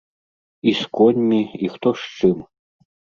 І з коньмі, і хто з чым.